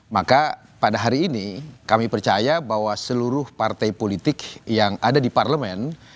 maka pada hari ini kami percaya bahwa seluruh partai politik yang ada di parlemen